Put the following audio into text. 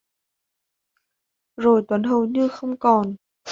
Rồi Tuấn hầu như không còn